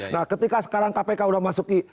nah ketika sekarang kpk sudah masuki